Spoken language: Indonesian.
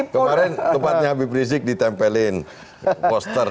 kemarin tempatnya habib rizik ditempelin poster